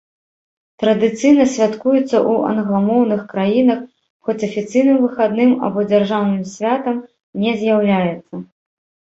Традыцыйна святкуецца ў англамоўных краінах, хоць афіцыйным выхадным або дзяржаўным святам не з'яўляецца.